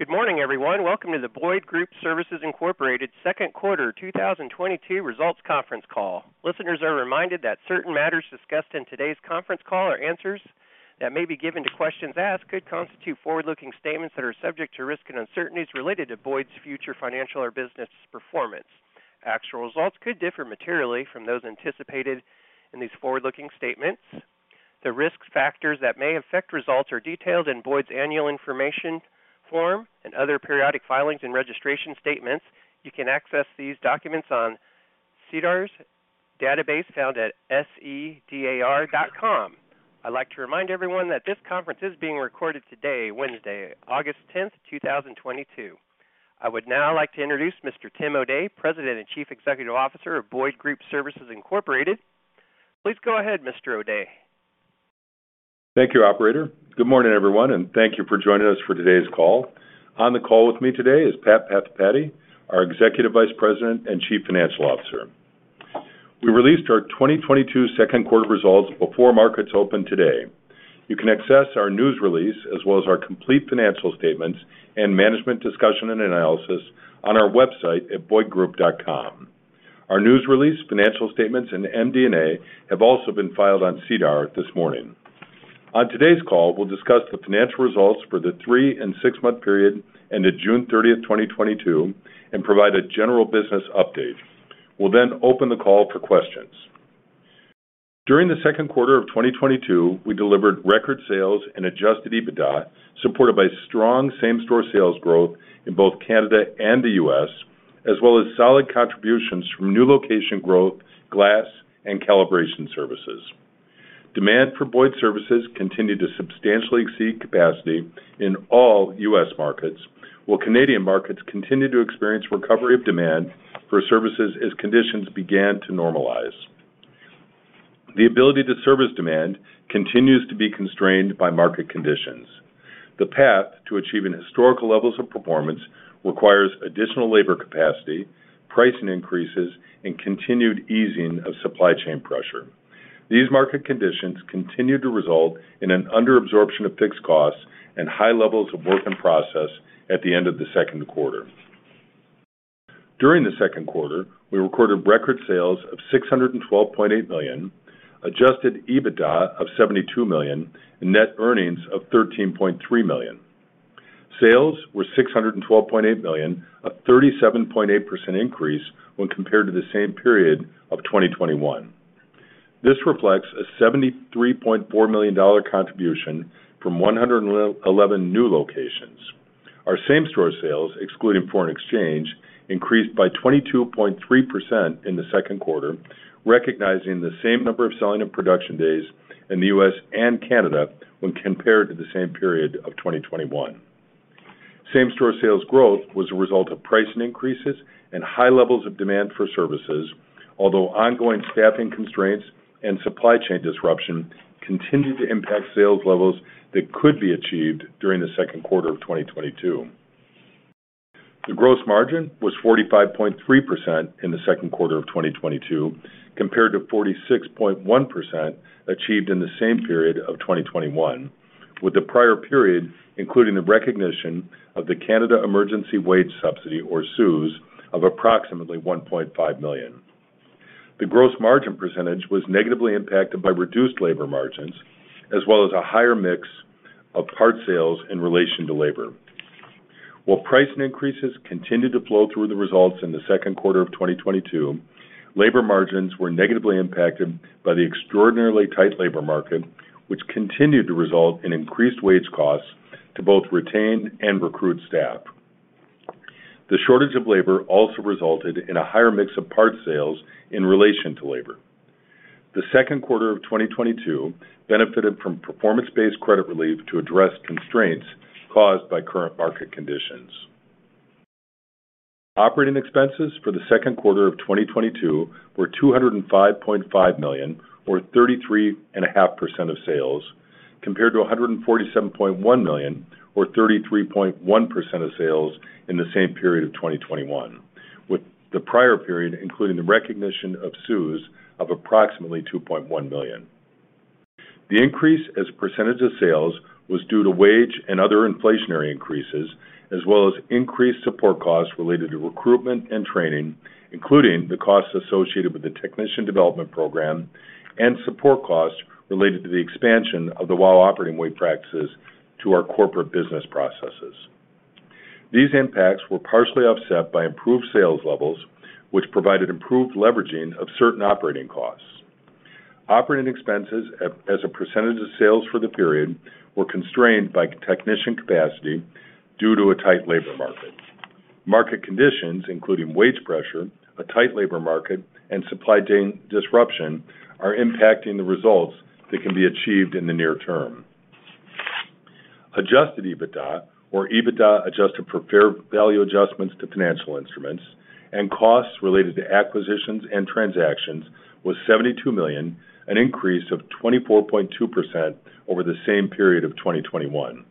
Good morning, everyone. Welcome to the Boyd Group Services Inc. second quarter 2022 results conference call. Listeners are reminded that certain matters discussed in today's conference call or answers that may be given to questions asked could constitute forward-looking statements that are subject to risks and uncertainties related to Boyd's future financial or business performance. Actual results could differ materially from those anticipated in these forward-looking statements. The risk factors that may affect results are detailed in Boyd's annual information form and other periodic filings and registration statements. You can access these documents on SEDAR's database found at SEDAR.com. I'd like to remind everyone that this conference is being recorded today, Wednesday, August 10, 2022. I would now like to introduce Mr. Tim O'Day, President and Chief Executive Officer of Boyd Group Services Inc. Please go ahead, Mr. O'Day. Thank you, operator. Good morning, everyone, and thank you for joining us for today's call. On the call with me today is Narendra Pathipati, our Executive Vice President and Chief Financial Officer. We released our 2022 second quarter results before markets opened today. You can access our news release as well as our complete financial statements and management discussion and analysis on our website at boydgroup.com. Our news release, financial statements, and MD&A have also been filed on SEDAR this morning. On today's call, we'll discuss the financial results for the 3- and 6-month period ended June 30, 2022 and provide a general business update. We'll then open the call for questions. During the second quarter of 2022, we delivered record sales and adjusted EBITDA, supported by strong same-store sales growth in both Canada and the U.S., as well as solid contributions from new location growth, glass, and calibration services. Demand for Boyd services continued to substantially exceed capacity in all U.S. markets, while Canadian markets continued to experience recovery of demand for services as conditions began to normalize. The ability to service demand continues to be constrained by market conditions. The path to achieving historical levels of performance requires additional labor capacity, pricing increases, and continued easing of supply chain pressure. These market conditions continued to result in an under-absorption of fixed costs and high levels of work in process at the end of the second quarter. During the second quarter, we recorded record sales of $612.8 million, adjusted EBITDA of $72 million, and net earnings of $13.3 million. Sales were $612.8 million, a 37.8% increase when compared to the same period of 2021. This reflects a $73.4 million contribution from 111 new locations. Our same-store sales, excluding foreign exchange, increased by 22.3% in the second quarter, recognizing the same number of selling and production days in the U.S. and Canada when compared to the same period of 2021. Same-store sales growth was a result of pricing increases and high levels of demand for services, although ongoing staffing constraints and supply chain disruption continued to impact sales levels that could be achieved during the second quarter of 2022. The gross margin was 45.3% in the second quarter of 2022 compared to 46.1% achieved in the same period of 2021, with the prior period including the recognition of the Canada Emergency Wage Subsidy or CEWS of approximately $1.5 million. The gross margin percentage was negatively impacted by reduced labor margins as well as a higher mix of part sales in relation to labor. While pricing increases continued to flow through the results in the second quarter of 2022, labor margins were negatively impacted by the extraordinarily tight labor market, which continued to result in increased wage costs to both retain and recruit staff. The shortage of labor also resulted in a higher mix of parts sales in relation to labor. The second quarter of 2022 benefited from performance-based credit relief to address constraints caused by current market conditions. Operating expenses for the second quarter of 2022 were $205.5 million or 33.5% of sales, compared to $147.1 million or 33.1% of sales in the same period of 2021, with the prior period including the recognition of CEWS of approximately $2.1 million. The increase as a percentage of sales was due to wage and other inflationary increases, as well as increased support costs related to recruitment and training, including the costs associated with the Technician Development Program and support costs related to the expansion of the WOW Operating Way practices to our corporate business processes. These impacts were partially offset by improved sales levels, which provided improved leveraging of certain operating costs. Operating expenses as a percentage of sales for the period were constrained by technician capacity due to a tight labor market. Market conditions, including wage pressure, a tight labor market, and supply chain disruption, are impacting the results that can be achieved in the near term. Adjusted EBITDA or EBITDA adjusted for fair value adjustments to financial instruments and costs related to acquisitions and transactions was $72 million, an increase of 24.2% over the same period of 2021,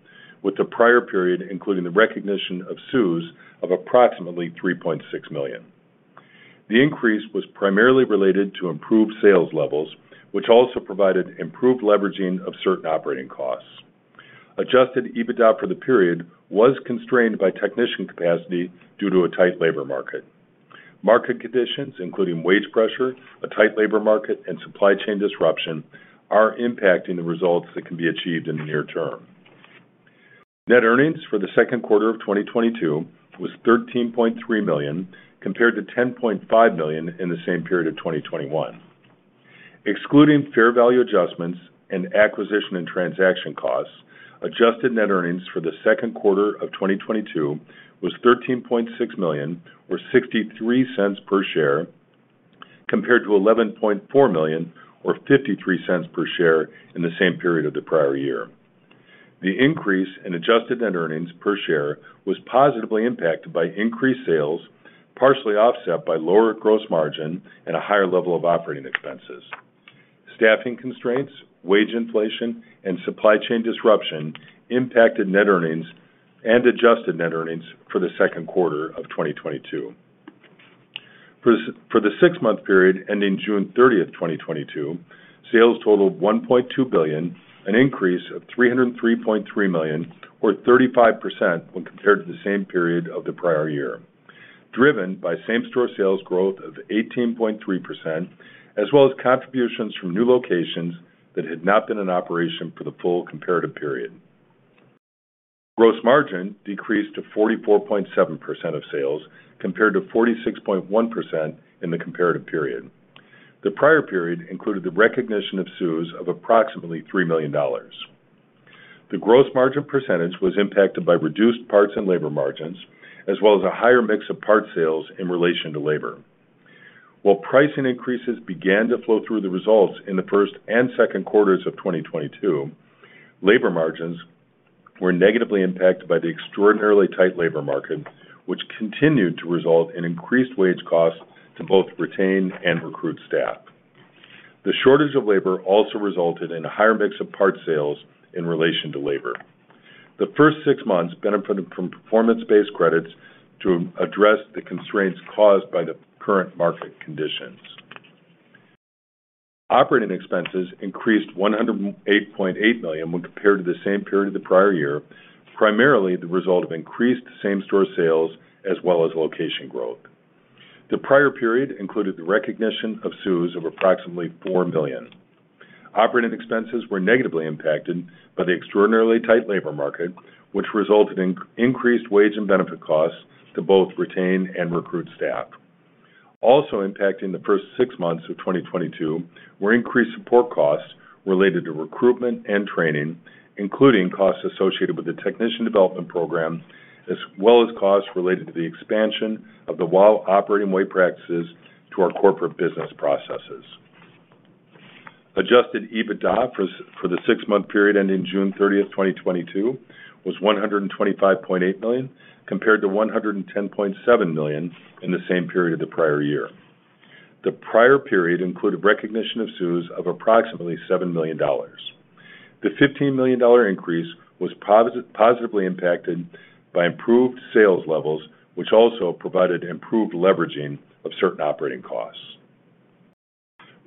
with the prior period including the recognition of CEWS of approximately $3.6 million. The increase was primarily related to improved sales levels, which also provided improved leveraging of certain operating costs. Adjusted EBITDA for the period was constrained by technician capacity due to a tight labor market. Market conditions, including wage pressure, a tight labor market, and supply chain disruption are impacting the results that can be achieved in the near term. Net earnings for the second quarter of 2022 was $13.3 million compared to $10.5 million in the same period of 2021. Excluding fair value adjustments and acquisition and transaction costs, adjusted net earnings for the second quarter of 2022 was $13.6 million or $0.63 per share compared to $11.4 million or $0.53 per share in the same period of the prior year. The increase in adjusted net earnings per share was positively impacted by increased sales, partially offset by lower gross margin and a higher level of operating expenses. Staffing constraints, wage inflation, and supply chain disruption impacted net earnings and adjusted net earnings for the second quarter of 2022. For the six-month period ending June 30, 2022, sales totaled $1.2 billion, an increase of $303.3 million or 35% when compared to the same period of the prior year, driven by same-store sales growth of 18.3% as well as contributions from new locations that had not been in operation for the full comparative period. Gross margin decreased to 44.7% of sales compared to 46.1% in the comparative period. The prior period included the recognition of CEWS of approximately $3 million. The gross margin percentage was impacted by reduced parts and labor margins, as well as a higher mix of part sales in relation to labor. While pricing increases began to flow through the results in the first and second quarters of 2022, labor margins were negatively impacted by the extraordinarily tight labor market, which continued to result in increased wage costs to both retain and recruit staff. The shortage of labor also resulted in a higher mix of parts sales in relation to labor. The first six months benefited from performance-based credits to address the constraints caused by the current market conditions. Operating expenses increased $108.8 million when compared to the same period of the prior year, primarily the result of increased same-store sales as well as location growth. The prior period included the recognition of CEWS of approximately $4 million. Operating expenses were negatively impacted by the extraordinarily tight labor market, which resulted in increased wage and benefit costs to both retain and recruit staff. Also impacting the first six months of 2022 were increased support costs related to recruitment and training, including costs associated with the Technician Development Program, as well as costs related to the expansion of the WOW Operating Way practices to our corporate business processes. Adjusted EBITDA for the six-month period ending June 30, 2022 was $125.8 million compared to $110.7 million in the same period of the prior year. The prior period included recognition of CEWS of approximately $7 million. The $15 million increase was positively impacted by improved sales levels, which also provided improved leveraging of certain operating costs.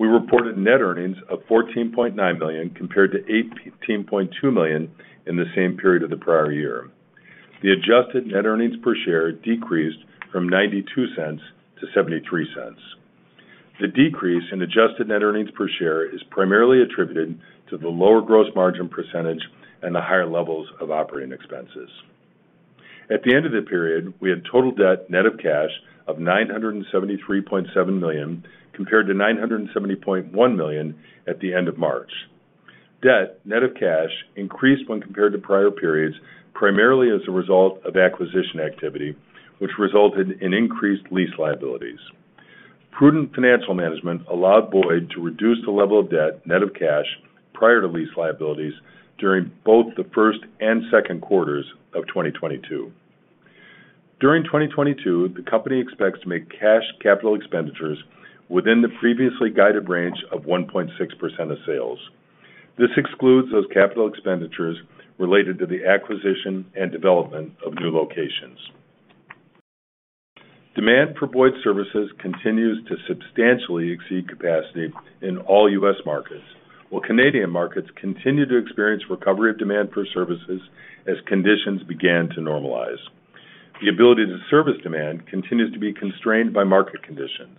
We reported net earnings of $14.9 million compared to $18.2 million in the same period of the prior year. The adjusted net earnings per share decreased from $0.92 to $0.73. The decrease in adjusted net earnings per share is primarily attributed to the lower gross margin percentage and the higher levels of operating expenses. At the end of the period, we had total debt net of cash of $973.7 million compared to $970.1 million at the end of March. Debt net of cash increased when compared to prior periods primarily as a result of acquisition activity, which resulted in increased lease liabilities. Prudent financial management allowed Boyd to reduce the level of debt net of cash prior to lease liabilities during both the first and second quarters of 2022. During 2022, the company expects to make cash capital expenditures within the previously guided range of 1.6% of sales. This excludes those capital expenditures related to the acquisition and development of new locations. Demand for Boyd services continues to substantially exceed capacity in all U.S. markets, while Canadian markets continue to experience recovery of demand for services as conditions began to normalize. The ability to service demand continues to be constrained by market conditions.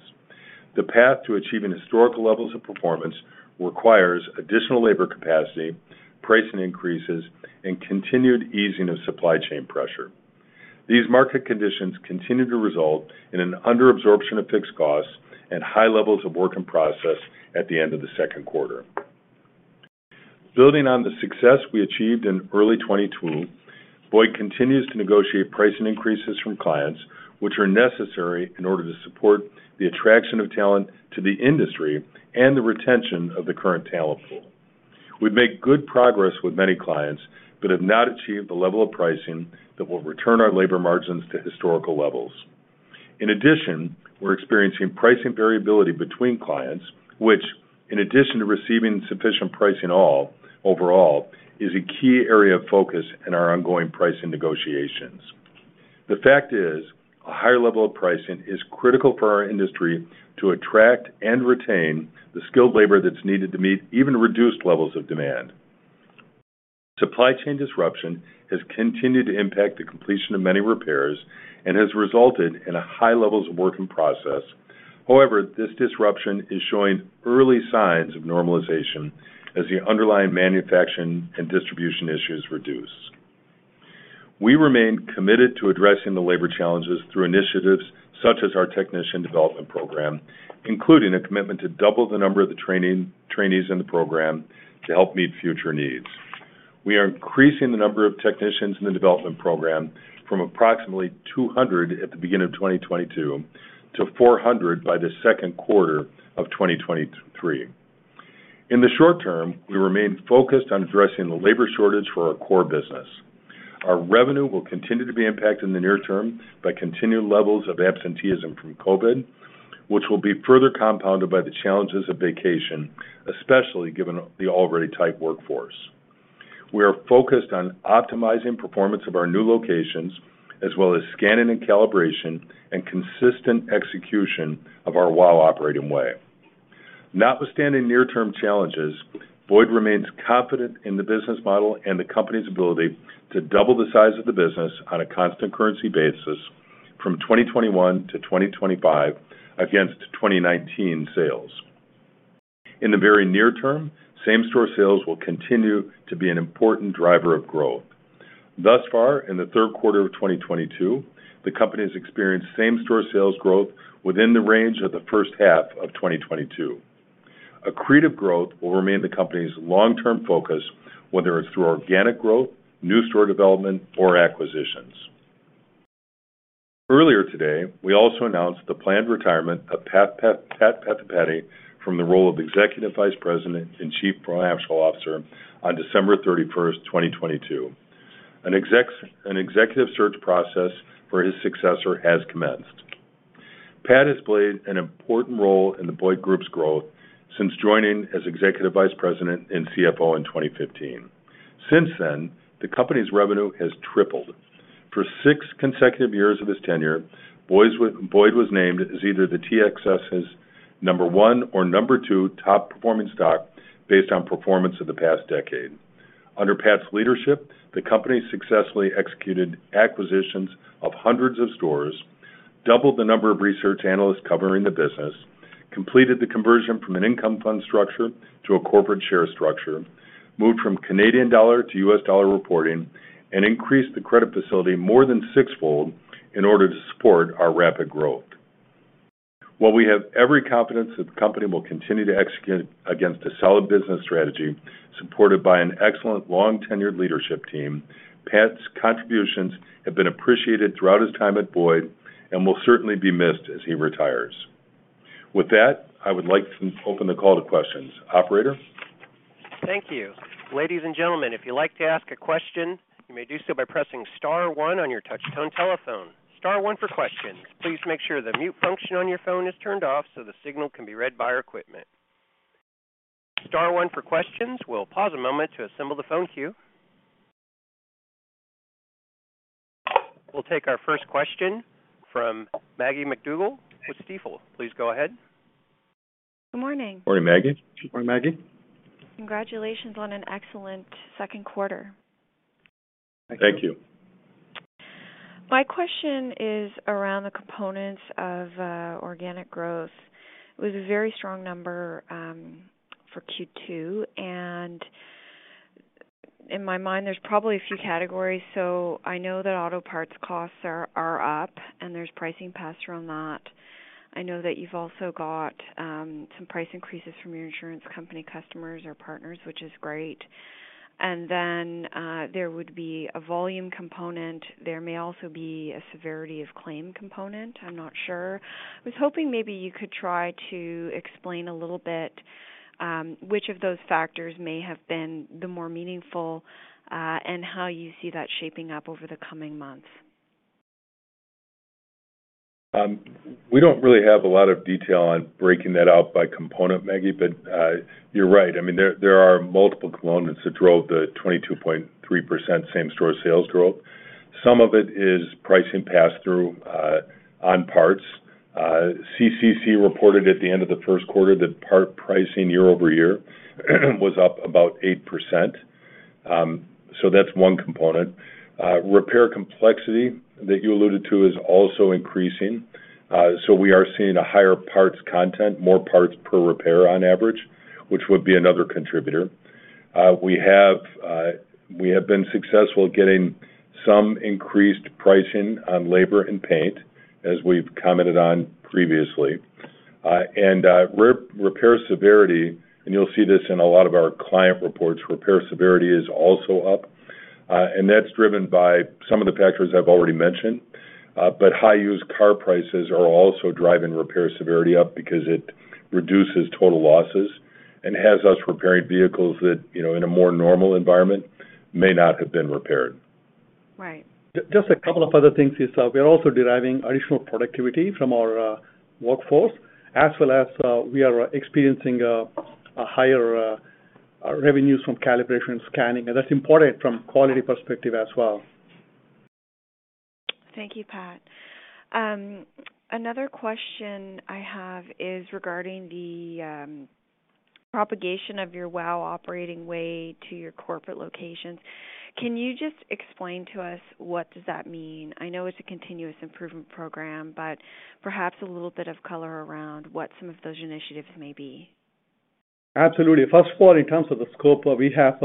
The path to achieving historical levels of performance requires additional labor capacity, pricing increases, and continued easing of supply chain pressure. These market conditions continue to result in an under absorption of fixed costs and high levels of work in process at the end of the second quarter. Building on the success we achieved in early 2022, Boyd continues to negotiate pricing increases from clients which are necessary in order to support the attraction of talent to the industry and the retention of the current talent pool. We've made good progress with many clients but have not achieved the level of pricing that will return our labor margins to historical levels. In addition, we're experiencing pricing variability between clients which, in addition to receiving sufficient pricing, is overall a key area of focus in our ongoing pricing negotiations. The fact is, a higher level of pricing is critical for our industry to attract and retain the skilled labor that's needed to meet even reduced levels of demand. Supply chain disruption has continued to impact the completion of many repairs and has resulted in high levels of work in process. However, this disruption is showing early signs of normalization as the underlying manufacturing and distribution issues reduce. We remain committed to addressing the labor challenges through initiatives such as our Technician Development Program, including a commitment to double the number of trainees in the program to help meet future needs. We are increasing the number of technicians in the development program from approximately 200 at the beginning of 2022 to 400 by the second quarter of 2023. In the short term, we remain focused on addressing the labor shortage for our core business. Our revenue will continue to be impacted in the near term by continued levels of absenteeism from COVID, which will be further compounded by the challenges of vacation, especially given the already tight workforce. We are focused on optimizing performance of our new locations, as well as scanning and calibration and consistent execution of our WOW Operating Way. Notwithstanding near-term challenges, Boyd remains confident in the business model and the company's ability to double the size of the business on a constant currency basis from 2021 to 2025 against 2019 sales. In the very near term, same-store sales will continue to be an important driver of growth. Thus far, in the third quarter of 2022, the company has experienced same-store sales growth within the range of the first half of 2022. Accretive growth will remain the company's long-term focus, whether it's through organic growth, new store development or acquisitions. Earlier today, we also announced the planned retirement of Narendra Pathipati from the role of Executive Vice President and Chief Financial Officer on December 31, 2022. An executive search process for his successor has commenced. Pat has played an important role in the Boyd Group's growth since joining as Executive Vice President and CFO in 2015. Since then, the company's revenue has tripled. For six consecutive years of his tenure, Boyd was named as either the TSX's number one or number two top performing stock based on performance of the past decade. Under Pat's leadership, the company successfully executed acquisitions of hundreds of stores, doubled the number of research analysts covering the business, completed the conversion from an income fund structure to a corporate share structure, moved from Canadian dollar to US dollar reporting, and increased the credit facility more than six-fold in order to support our rapid growth. While we have every confidence that the company will continue to execute against a solid business strategy supported by an excellent long-tenured leadership team, Pat's contributions have been appreciated throughout his time at Boyd and will certainly be missed as he retires. With that, I would like to open the call to questions. Operator? Thank you. Ladies and gentlemen, if you'd like to ask a question, you may do so by pressing star one on your touch-tone telephone. Star one for questions. Please make sure the mute function on your phone is turned off so the signal can be read by our equipment. Star one for questions. We'll pause a moment to assemble the phone queue. We'll take our first question from Maggie MacDougall with Stifel. Please go ahead. Good morning. Morning, Maggie. Morning, Maggie. Congratulations on an excellent second quarter. Thank you. My question is around the components of organic growth. It was a very strong number for Q2, and in my mind, there's probably a few categories. I know that auto parts costs are up and there's pricing pass through on that. I know that you've also got some price increases from your insurance company customers or partners, which is great. There would be a volume component. There may also be a severity of claim component. I'm not sure. I was hoping maybe you could try to explain a little bit, which of those factors may have been the more meaningful, and how you see that shaping up over the coming months. We don't really have a lot of detail on breaking that out by component, Maggie, but you're right. I mean, there are multiple components that drove the 22.3% same-store sales growth. Some of it is pricing pass-through on parts. CCC reported at the end of the first quarter that part pricing year-over-year was up about 8%. So that's one component. Repair complexity that you alluded to is also increasing. So we are seeing a higher parts content, more parts per repair on average, which would be another contributor. We have been successful getting some increased pricing on labor and paint, as we've commented on previously. Repair severity, and you'll see this in a lot of our client reports, repair severity is also up. That's driven by some of the factors I've already mentioned. High used car prices are also driving repair severity up because it reduces total losses and has us repairing vehicles that, you know, in a more normal environment may not have been repaired. Just a couple of other things is, we are also deriving additional productivity from our workforce, as well as, we are experiencing a higher revenues from calibration scanning, and that's important from quality perspective as well. Thank you, Pat. Another question I have is regarding the propagation of your WOW Operating Way to your corporate locations. Can you just explain to us what does that mean? I know it's a continuous improvement program, but perhaps a little bit of color around what some of those initiatives may be. Absolutely. First of all, in terms of the scope, we have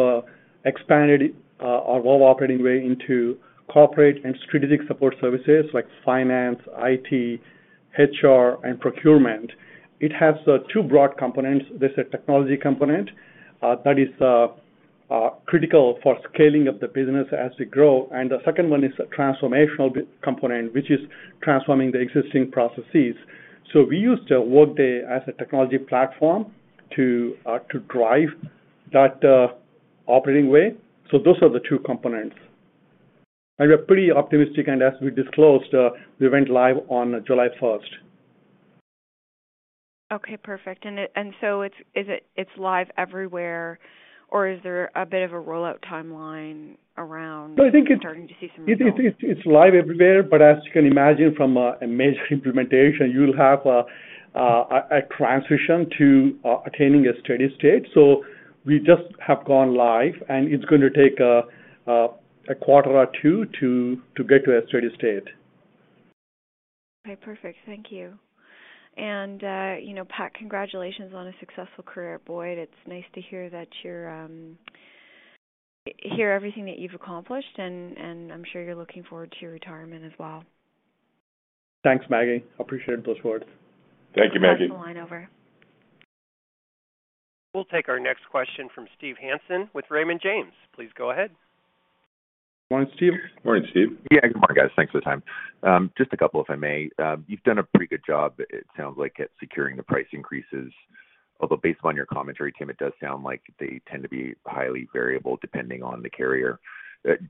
expanded our WOW Operating Way into corporate and strategic support services like finance, IT, HR, and procurement. It has two broad components. There's a technology component that is critical for scaling of the business as we grow. The second one is a transformational big component, which is transforming the existing processes. We use the Workday as a technology platform to drive that WOW Operating Way. Those are the two components. We're pretty optimistic, and as we disclosed, we went live on July first. Okay, perfect. Is it live everywhere or is there a bit of a rollout timeline around- No, I think it. Starting to see some results. It's live everywhere, but as you can imagine from a major implementation, you'll have a transition to attaining a steady state. We just have gone live, and it's gonna take a quarter or two to get to a steady state. Okay. Perfect. Thank you. You know, Pat, congratulations on a successful career at Boyd. It's nice to hear everything that you've accomplished, and I'm sure you're looking forward to your retirement as well. Thanks, Maggie. Appreciate those words. Thank you, Maggie. I'll pass the line over. We'll take our next question from Steve Hansen with Raymond James. Please go ahead. Morning, Steve. Morning, Steve. Yeah, good morning, guys. Thanks for the time. Just a couple, if I may. You've done a pretty good job, it sounds like, at securing the price increases. Although based on your commentary, Tim, it does sound like they tend to be highly variable depending on the carrier.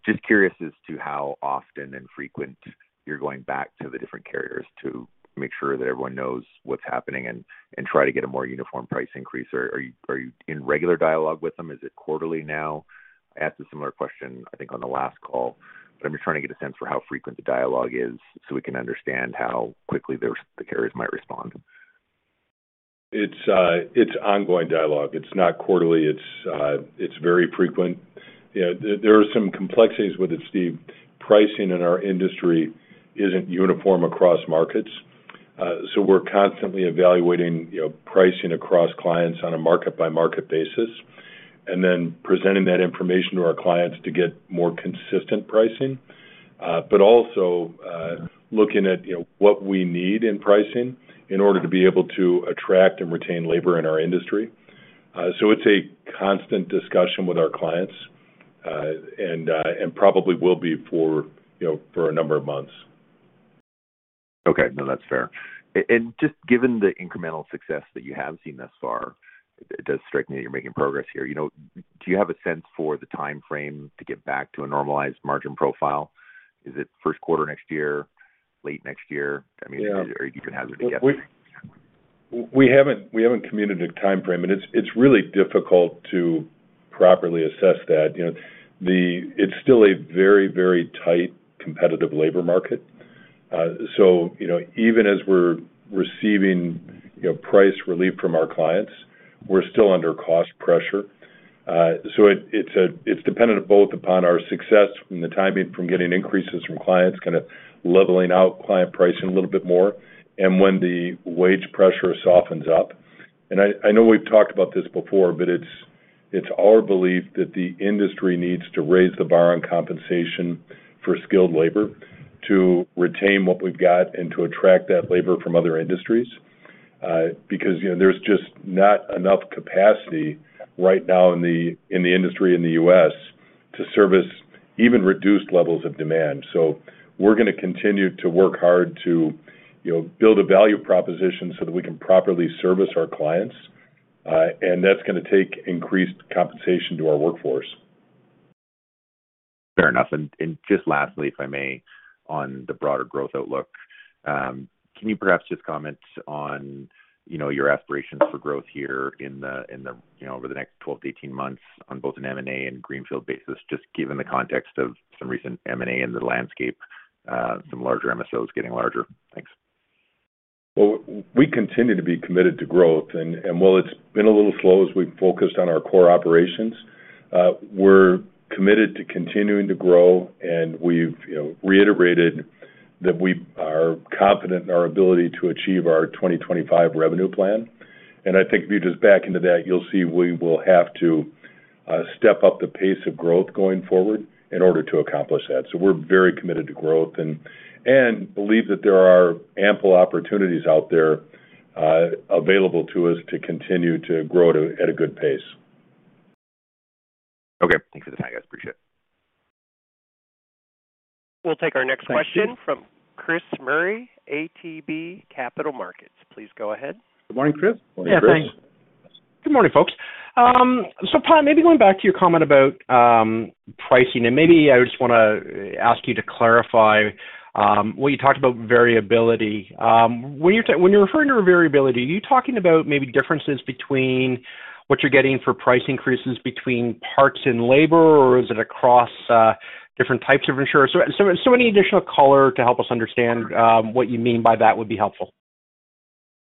Just curious as to how often and frequent you're going back to the different carriers to make sure that everyone knows what's happening and try to get a more uniform price increase. Are you in regular dialogue with them? Is it quarterly now? I asked a similar question, I think, on the last call, but I'm just trying to get a sense for how frequent the dialogue is so we can understand how quickly the carriers might respond. It's ongoing dialogue. It's not quarterly. It's very frequent. Yeah, there are some complexities with it, Steve. Pricing in our industry isn't uniform across markets, so we're constantly evaluating, you know, pricing across clients on a market by market basis, and then presenting that information to our clients to get more consistent pricing. But also, looking at, you know, what we need in pricing in order to be able to attract and retain labor in our industry. So it's a constant discussion with our clients, and probably will be for, you know, for a number of months. Okay. No, that's fair. And just given the incremental success that you have seen thus far, it does strike me that you're making progress here. You know, do you have a sense for the timeframe to get back to a normalized margin profile? Is it first quarter next year, late next year? I mean. Yeah. You can hazard a guess. We haven't committed a timeframe, and it's really difficult to properly assess that. You know, it's still a very tight competitive labor market. So, you know, even as we're receiving, you know, price relief from our clients, we're still under cost pressure. So it's dependent both upon our success and the timing from getting increases from clients, kinda leveling out client pricing a little bit more and when the wage pressure softens up. I know we've talked about this before, but it's our belief that the industry needs to raise the bar on compensation for skilled labor to retain what we've got and to attract that labor from other industries. Because, you know, there's just not enough capacity right now in the industry in the US to service even reduced levels of demand. We're gonna continue to work hard to, you know, build a value proposition so that we can properly service our clients, and that's gonna take increased compensation to our workforce. Fair enough. Just lastly, if I may, on the broader growth outlook, can you perhaps just comment on, you know, your aspirations for growth here in the, you know, over the next 12-18 months on both an M&A and greenfield basis, just given the context of some recent M&A in the landscape, some larger MSOs getting larger? Thanks. We continue to be committed to growth. While it's been a little slow as we've focused on our core operations, we're committed to continuing to grow, and we've, you know, reiterated that we are confident in our ability to achieve our 2025 revenue plan. I think if you just back into that, you'll see we will have to step up the pace of growth going forward in order to accomplish that. We're very committed to growth and believe that there are ample opportunities out there available to us to continue to grow at a good pace. Okay. Thank you for the time, guys. Appreciate it. We'll take our next question from Chris Murray, ATB Capital Markets. Please go ahead. Good morning, Chris. Morning, Chris. Good morning, folks. Pat, maybe going back to your comment about pricing, and maybe I just wanna ask you to clarify when you talked about variability. When you're referring to variability, are you talking about maybe differences between what you're getting for price increases between parts and labor, or is it across different types of insurers? Any additional color to help us understand what you mean by that would be helpful.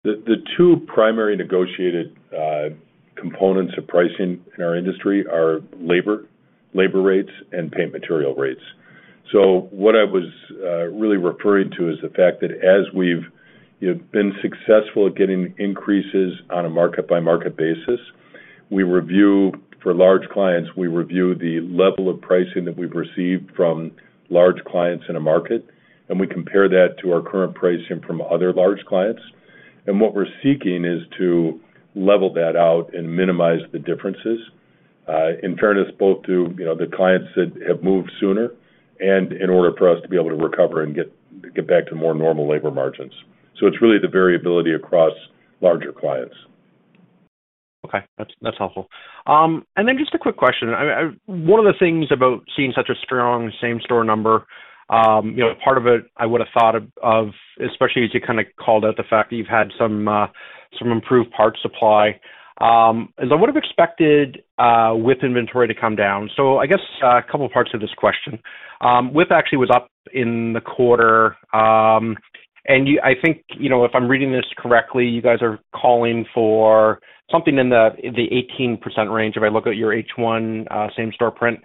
The two primary negotiated components of pricing in our industry are labor rates and paint material rates. What I was really referring to is the fact that as we've, you know, been successful at getting increases on a market by market basis, we review, for large clients, the level of pricing that we've received from large clients in a market, and we compare that to our current pricing from other large clients. What we're seeking is to level that out and minimize the differences in fairness both to, you know, the clients that have moved sooner and in order for us to be able to recover and get back to more normal labor margins. It's really the variability across larger clients. That's helpful. Then just a quick question. One of the things about seeing such a strong same-store number, you know, part of it I would have thought of, especially as you kinda called out the fact that you've had some improved parts supply, is I would have expected WIP inventory to come down. I guess a couple parts of this question. WIP actually was up in the quarter, and I think, you know, if I'm reading this correctly, you guys are calling for something in the 18% range if I look at your H1 same-store print,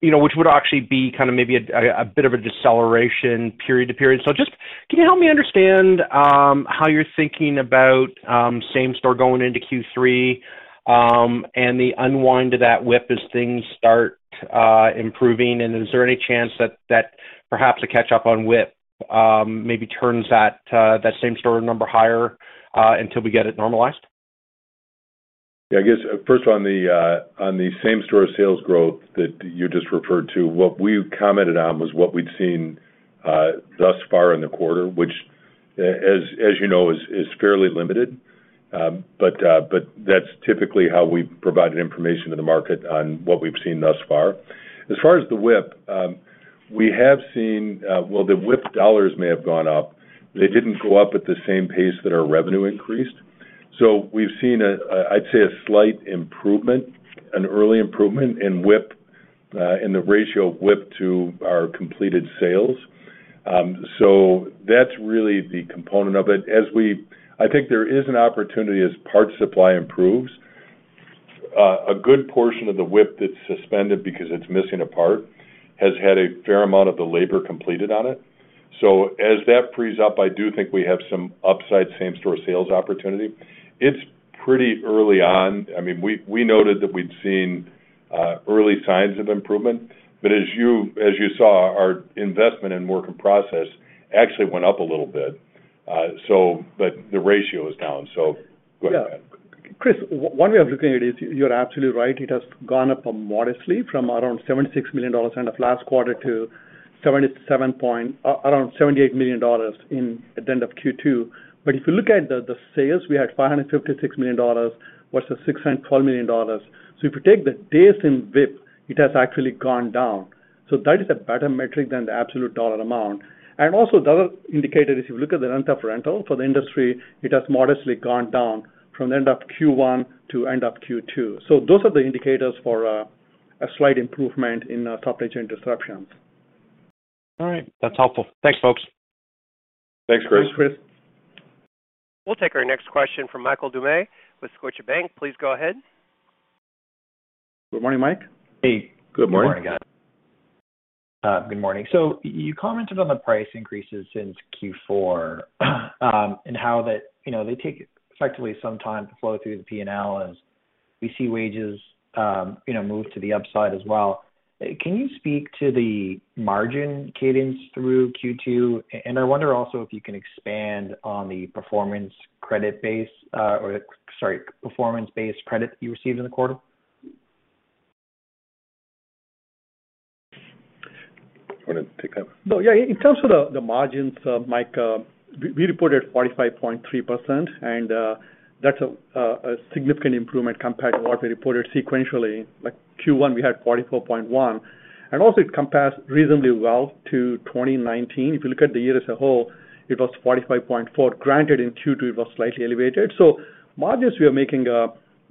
you know, which would actually be kinda maybe a bit of a deceleration period to period. Just can you help me understand how you're thinking about same store going into Q3 and the unwind of that WIP as things start improving? Is there any chance that perhaps a catch-up on WIP maybe turns that same store number higher until we get it normalized? Yeah, I guess first on the same-store sales growth that you just referred to, what we've commented on was what we'd seen thus far in the quarter, which as you know, is fairly limited. That's typically how we've provided information to the market on what we've seen thus far. As far as the WIP, we have seen while the WIP dollars may have gone up, they didn't go up at the same pace that our revenue increased. We've seen a I'd say a slight improvement, an early improvement in WIP in the ratio of WIP to our completed sales. That's really the component of it. I think there is an opportunity as parts supply improves. A good portion of the WIP that's suspended because it's missing a part has had a fair amount of the labor completed on it. As that frees up, I do think we have some upside same-store sales opportunity. It's pretty early on. I mean, we noted that we'd seen early signs of improvement. As you saw, our investment in work in process actually went up a little bit. The ratio is down. Go ahead. Yeah. Chris, one way of looking at it is you're absolutely right. It has gone up modestly from around $76 million end of last quarter to $77 to around $78 million at the end of Q2. If you look at the sales, we had $556 million versus $612 million. If you take the days in WIP, it has actually gone down. That is a better metric than the absolute dollar amount. Also the other indicator, if you look at the rental for the industry, it has modestly gone down from end of Q1 to end of Q2. Those are the indicators for a slight improvement in top line interruptions. All right. That's helpful. Thanks, folks. Thanks, Chris. Thanks, Chris. We'll take our next question from Michael Doumet with Scotiabank. Please go ahead. Good morning, Mike. Hey, good morning. Good morning, guys. Good morning. You commented on the price increases since Q4, and how that, you know, they take effectively some time to flow through the P&L as we see wages, you know, move to the upside as well. Can you speak to the margin cadence through Q2? And I wonder also if you can expand on the performance-based credit you received in the quarter. Wanna take that? No, yeah. In terms of the margins, Mike, we reported 45.3%, and that's a significant improvement compared to what we reported sequentially. Like Q1, we had 44.1%. Also it compares reasonably well to 2019. If you look at the year as a whole, it was 45.4%. Granted, in Q2 it was slightly elevated. Margins, we are making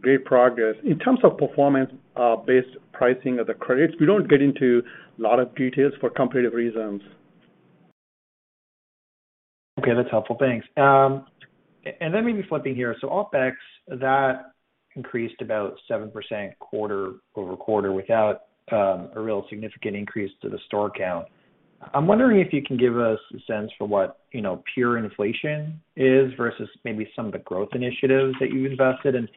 great progress. In terms of performance based pricing of the credits, we don't get into a lot of details for competitive reasons. Okay, that's helpful. Thanks. Maybe flipping here. OpEx that increased about 7% quarter-over-quarter without a real significant increase to the store count. I'm wondering if you can give us a sense for what, you know, pure inflation is versus maybe some of the growth initiatives that you invested in.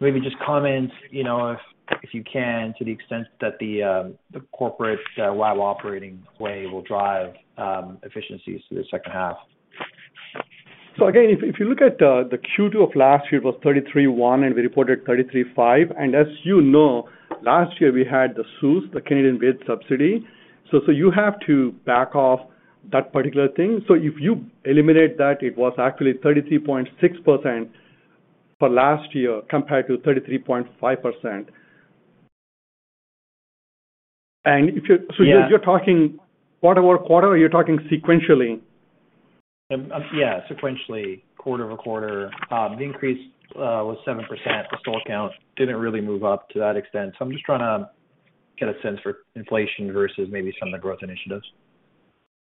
Maybe just comment, you know, if you can, to the extent that the corporate WOW Operating Way will drive efficiencies through the second half. Again, if you look at the Q2 of last year, it was 33.1, and we reported 33.5. As you know, last year we had the CEWS, the Canada Emergency Wage Subsidy. You have to back out that particular thing. If you eliminate that, it was actually 33.6% for last year compared to 33.5%. If you're- Yeah. You're talking quarter over quarter or you're talking sequentially? Yeah, sequentially, quarter-over-quarter, the increase was 7%. The store count didn't really move up to that extent. I'm just trying to get a sense for inflation versus maybe some of the growth initiatives.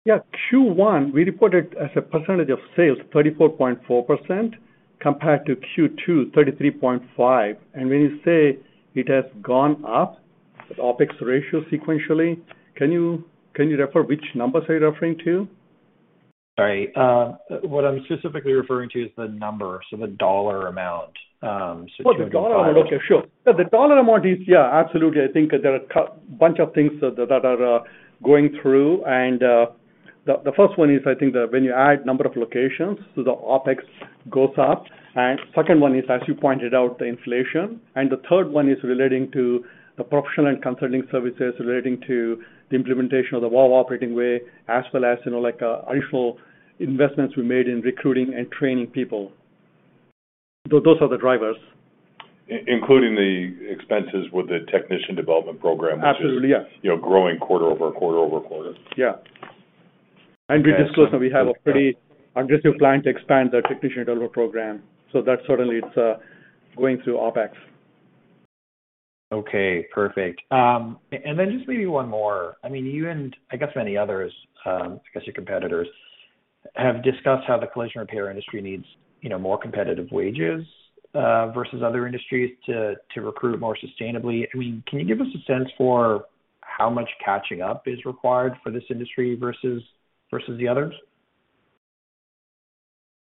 Yeah. Q1, we reported as a percentage of sales 34.4% compared to Q2, 33.5%. When you say it has gone up, the OpEx ratio sequentially, can you refer to which numbers you are referring to? Sorry. What I'm specifically referring to is the number, so the dollar amount, so $205- Oh, the dollar amount. Okay. Sure. The dollar amount is. Yeah, absolutely. I think there are a bunch of things that are going through. The first one is, I think that when you add number of locations, so the OpEx goes up. Second one is, as you pointed out, the inflation. The third one is relating to the professional and consulting services relating to the implementation of the WOW Operating Way, as well as, you know, like initial investments we made in recruiting and training people. Those are the drivers. Including the expenses with the Technician Development Program. Absolutely, yes. Which is, you know, growing quarter-over-quarter-over-quarter. Yeah. Okay. We disclosed that we have a pretty aggressive plan to expand the Technician Development Program. That certainly, it's going through OpEx. Okay. Perfect. Just maybe one more. I mean, you and I guess many others, I guess your competitors, have discussed how the collision repair industry needs more competitive wages versus other industries to recruit more sustainably. I mean, can you give us a sense for how much catching up is required for this industry versus the others?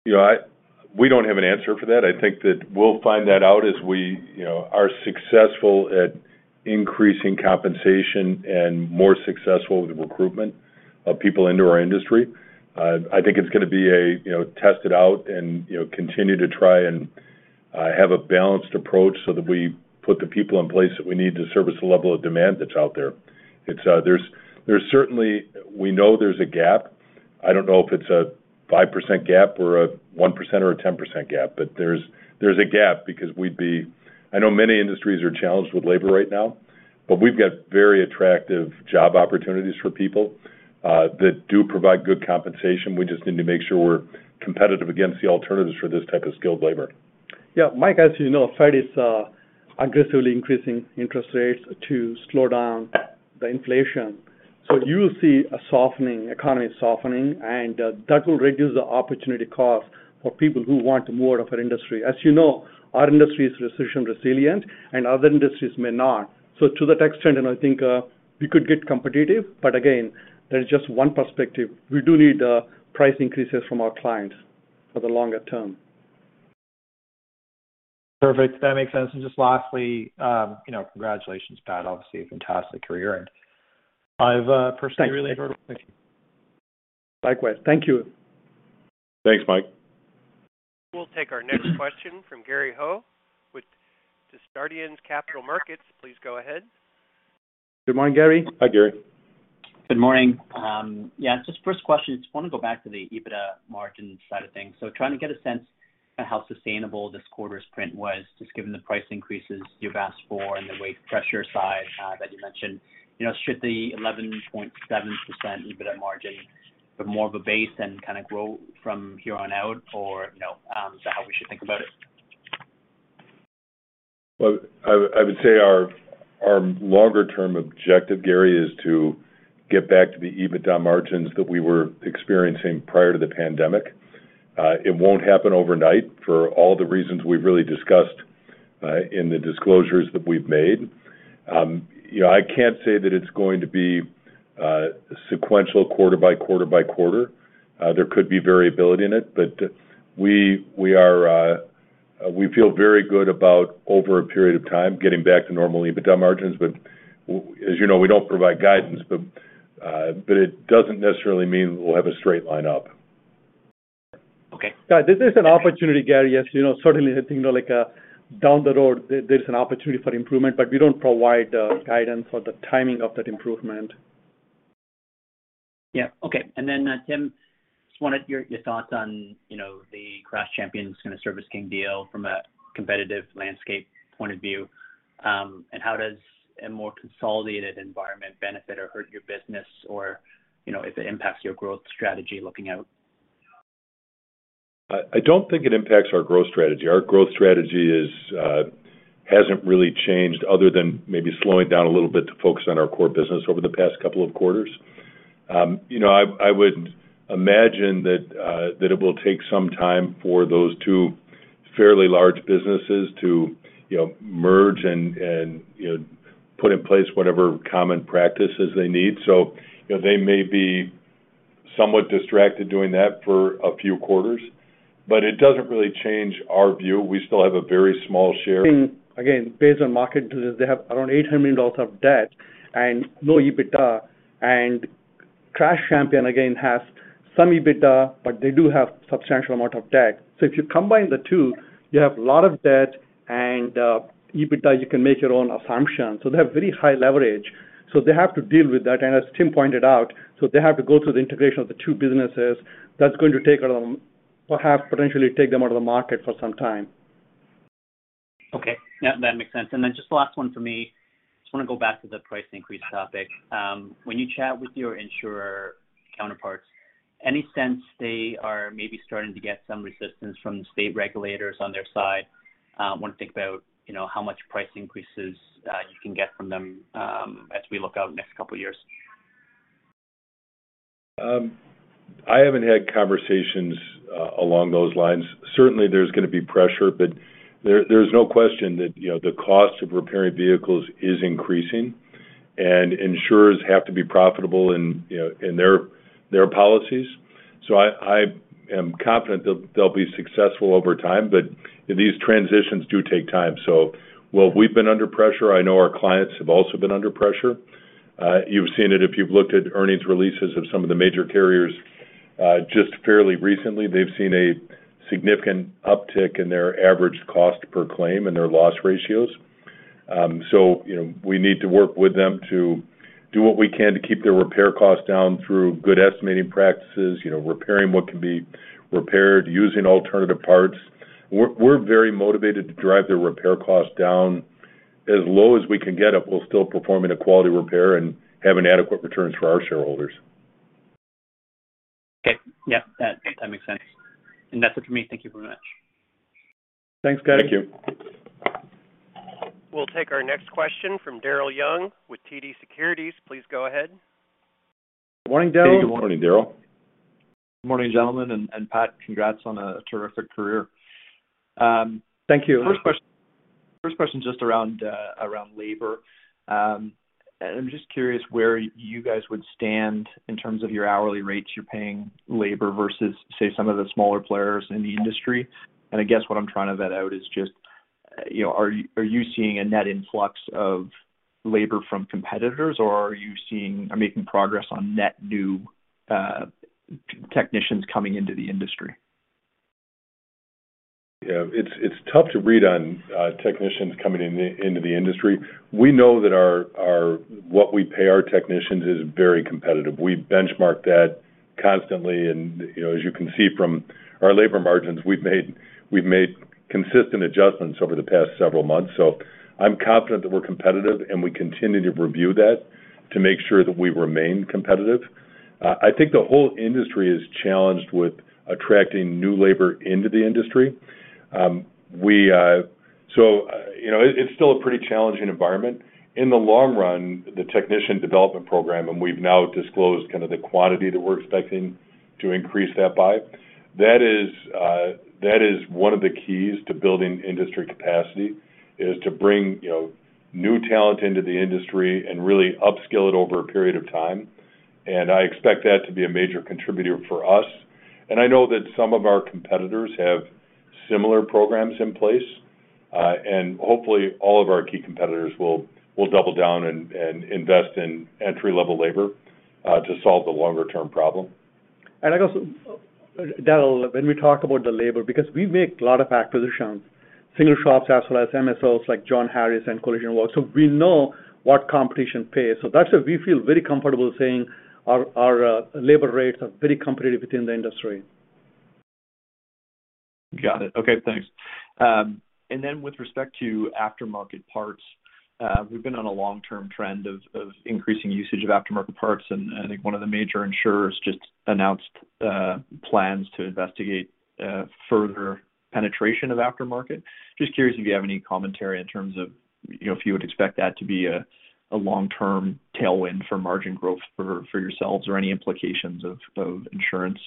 You know, we don't have an answer for that. I think that we'll find that out as we, you know, are successful at increasing compensation and more successful with recruitment of people into our industry. I think it's gonna be a, you know, test it out and, you know, continue to try and have a balanced approach so that we put the people in place that we need to service the level of demand that's out there. It's, there's certainly. We know there's a gap. I don't know if it's a 5% gap or a 1% or a 10% gap, but there's a gap because we'd be. I know many industries are challenged with labor right now, but we've got very attractive job opportunities for people that do provide good compensation. We just need to make sure we're competitive against the alternatives for this type of skilled labor. Yeah. Mike, as you know, Fed is aggressively increasing interest rates to slow down the inflation. You'll see a softening, economy softening, and that will reduce the opportunity cost for people who want more of our industry. As you know, our industry is recession resilient and other industries may not. To that extent, and I think, we could get competitive. Again, there's just one perspective. We do need price increases from our clients for the longer term. Perfect. That makes sense. Just lastly, you know, congratulations, Pat, obviously a fantastic career, and I've personally really enjoyed working with you. Likewise. Thank you. Thanks, Mike. We'll take our next question from Gary Ho with Desjardins Capital Markets. Please go ahead. Good morning, Gary. Hi, Gary. Good morning. Yeah, just first question, just wanna go back to the EBITDA margin side of things. Trying to get a sense of how sustainable this quarter's print was, just given the price increases you've asked for and the wage pressure side, that you mentioned. You know, should the 11.7% EBITDA margin be more of a base and kinda grow from here on out, or no? Is that how we should think about it? Well, I would say our longer term objective, Gary, is to get back to the EBITDA margins that we were experiencing prior to the pandemic. It won't happen overnight for all the reasons we've really discussed in the disclosures that we've made. You know, I can't say that it's going to be sequential quarter by quarter by quarter. There could be variability in it, but we feel very good about over a period of time getting back to normal EBITDA margins. As you know, we don't provide guidance, but it doesn't necessarily mean we'll have a straight line up. Okay. Yeah. This is an opportunity, Gary. As you know, certainly hitting like down the road, there's an opportunity for improvement, but we don't provide guidance for the timing of that improvement. Yeah. Okay. Tim, just wanted your thoughts on, you know, the Crash Champions kinda Service King deal from a competitive landscape point of view, and how does a more consolidated environment benefit or hurt your business or, you know, if it impacts your growth strategy looking out? I don't think it impacts our growth strategy. Our growth strategy hasn't really changed other than maybe slowing down a little bit to focus on our core business over the past couple of quarters. You know, I would imagine that it will take some time for those two fairly large businesses to, you know, merge and you know, put in place whatever common practices they need. You know, they may be somewhat distracted doing that for a few quarters, but it doesn't really change our view. We still have a very small share. Again, based on market, they have around $800 million of debt and low EBITDA. Crash Champions, again, has some EBITDA, but they do have substantial amount of debt. If you combine the two, you have a lot of debt and EBITDA, you can make your own assumption. They have very high leverage, so they have to deal with that. As Tim pointed out, they have to go through the integration of the two businesses. That's going to take around. Perhaps potentially take them out of the market for some time. Okay. Yeah, that makes sense. Just the last one for me, just wanna go back to the price increase topic. When you chat with your insurer counterparts, any sense they are maybe starting to get some resistance from the state regulators on their side, when they think about, you know, how much price increases you can get from them, as we look out next couple years? I haven't had conversations along those lines. Certainly, there's gonna be pressure, but there's no question that, you know, the cost of repairing vehicles is increasing, and insurers have to be profitable in, you know, in their policies. I am confident they'll be successful over time, but these transitions do take time. While we've been under pressure, I know our clients have also been under pressure. You've seen it if you've looked at earnings releases of some of the major carriers just fairly recently. They've seen a significant uptick in their average cost per claim and their loss ratios. You know, we need to work with them to do what we can to keep their repair costs down through good estimating practices, you know, repairing what can be repaired, using alternative parts. We're very motivated to drive their repair costs down as low as we can get it while still performing a quality repair and having adequate returns for our shareholders. Okay. Yeah, that makes sense. That's it for me. Thank you very much. Thanks, Gary Ho. Thank you. We'll take our next question from Daryl Young with TD Securities. Please go ahead. Morning, Daryl. Hey, good morning, Daryl. Good morning, gentlemen. Pat, congrats on a terrific career. Thank you. First question just around labor. I'm just curious where you guys would stand in terms of your hourly rates you're paying labor versus, say, some of the smaller players in the industry. I guess what I'm trying to vet out is just, you know, are you seeing a net influx of labor from competitors, or are you seeing or making progress on net new technicians coming into the industry? Yeah. It's tough to read on technicians coming into the industry. We know that what we pay our technicians is very competitive. We benchmark that constantly and, you know, as you can see from our labor margins, we've made consistent adjustments over the past several months. I'm confident that we're competitive, and we continue to review that to make sure that we remain competitive. I think the whole industry is challenged with attracting new labor into the industry. You know, it's still a pretty challenging environment. In the long run, the Technician Development Program, and we've now disclosed kind of the quantity that we're expecting to increase that by, that is one of the keys to building industry capacity, is to bring, you know, new talent into the industry and really upskill it over a period of time. I expect that to be a major contributor for us. I know that some of our competitors have similar programs in place. Hopefully, all of our key competitors will double down and invest in entry-level labor to solve the longer term problem. I guess, Daryl, when we talk about the labor, because we make a lot of acquisitions, single shops as well as MSOs like John Harris and Collision Works, so we know what competition pays. That's why we feel very comfortable saying our labor rates are very competitive within the industry. Got it. Okay, thanks. With respect to aftermarket parts, we've been on a long-term trend of increasing usage of aftermarket parts, and I think one of the major insurers just announced plans to investigate further penetration of aftermarket. Just curious if you have any commentary in terms of if you would expect that to be a long-term tailwind for margin growth for yourselves or any implications of insurance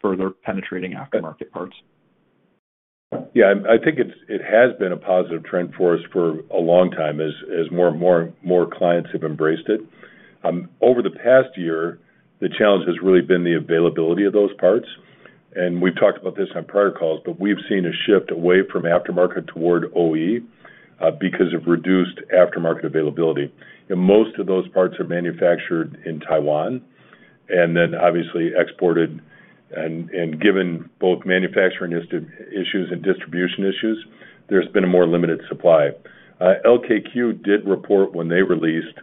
further penetrating aftermarket parts. Yeah. I think it has been a positive trend for us for a long time as more clients have embraced it. Over the past year, the challenge has really been the availability of those parts. We've talked about this on prior calls, but we've seen a shift away from aftermarket toward OE because of reduced aftermarket availability. Most of those parts are manufactured in Taiwan, and then obviously exported. Given both manufacturing issues and distribution issues, there's been a more limited supply. LKQ did report when they released